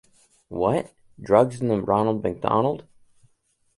What? Drugs in the Ronald McDonald?